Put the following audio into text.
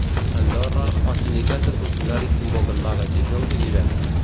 A Andorra, els sindicats de funcionaris convoquen vagues dijous i divendres.